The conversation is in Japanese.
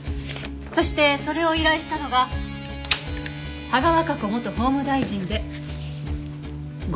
そしてそれを依頼したのが芳賀和香子元法務大臣で５。